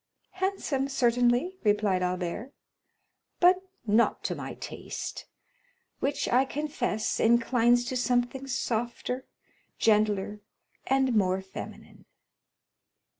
"Handsome, certainly," replied Albert, "but not to my taste, which I confess, inclines to something softer, gentler, and more feminine."